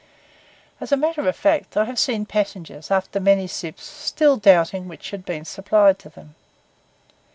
As a matter of fact, I have seen passengers, after many sips, still doubting which had been supplied them.